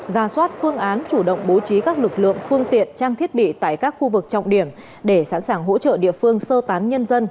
ra soát phương án chủ động bố trí các lực lượng phương tiện trang thiết bị tại các khu vực trọng điểm để sẵn sàng hỗ trợ địa phương sơ tán nhân dân